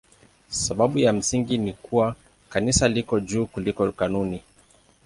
Sababu ya msingi ni kuwa Kanisa liko juu kuliko kanuni.